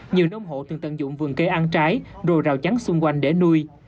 nhiều nông hộ từng tận dụng vườn kê ăn trái rồi rào chắn xung quanh để nuôi